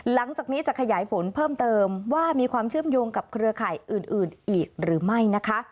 หลังจากนี้จะขยายผลเพิ่มเติมว่ามีความเชื่อมโยงกับเครือข่ายอื่นอีกหรือไม่นะคะ